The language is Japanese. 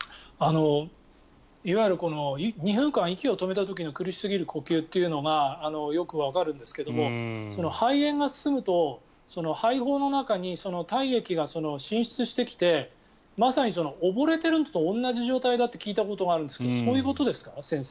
いわゆる２分間息を止めた時の苦しすぎる呼吸っていうのがよくわかるんですが肺炎が進むと肺胞の中に体液が浸出してきてまさに溺れているのと同じ状況だって聞いたことがあるんですがそういうことですか？